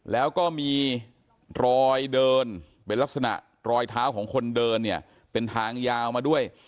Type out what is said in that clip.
แล้วก็มีรอยเดินเป็นลักษณะรอยเท้าของคนเดินเนี่ยเป็นทางยาวมาด้วย